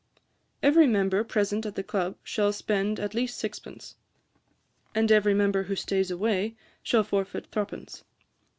'Every member present at the Club shall spend at least sixpence; and every member who stays away shall forfeit three pence.